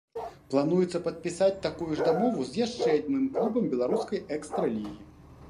Плануецца падпісаць такую ж дамову з яшчэ адным клубам беларускай экстра-лігі.